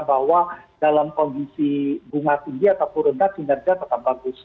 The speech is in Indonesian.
bahwa dalam kondisi bunga tinggi ataupun rendah kinerja tetap bagus